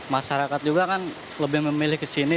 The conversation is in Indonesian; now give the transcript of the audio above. masyarakat juga kan lebih memilih kesini